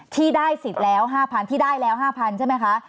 ที่ได้สิทธิ์แล้ว๕๐๐ที่ได้แล้ว๕๐๐ใช่ไหมคะ